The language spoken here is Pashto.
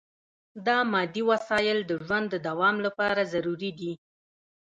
دا مادي وسایل د ژوند د دوام لپاره ضروري دي.